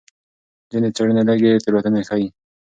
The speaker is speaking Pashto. ځینې څېړنې لږې تېروتنې ښيي.